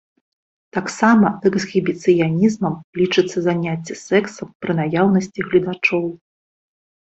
Таксама эксгібіцыянізмам лічыцца заняцце сексам пры наяўнасці гледачоў.